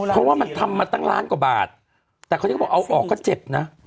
เพราะว่ามันทำมาตั้งล้านกว่าบาทแต่เขายังเขาบอกเอาออกก็เจ็บนะ